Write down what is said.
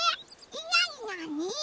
なになに？